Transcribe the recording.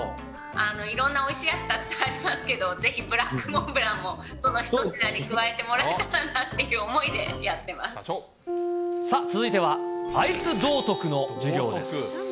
いろんなおいしいアイスたくさんありますけれども、ぜひブラックモンブランもその一品に加えてもらえたらなという思続いては、アイス道徳の授業です。